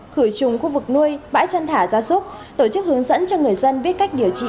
khửi trùng khu vực nuôi bãi chân thả gia súc tổ chức hướng dẫn cho người dân viết cách điều trị